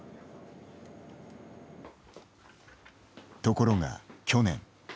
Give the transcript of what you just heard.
ところが去年。